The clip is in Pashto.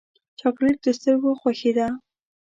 چاکلېټ د سترګو خوښي ده.